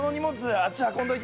あっち運んどいて。